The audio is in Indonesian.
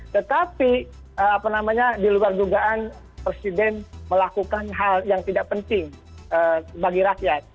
tetapi apa namanya di luar dugaan presiden melakukan hal yang tidak penting bagi rakyat